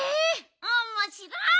おもしろい！